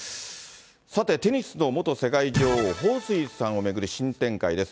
さて、テニスの元世界女王、彭帥さんを巡る新展開です。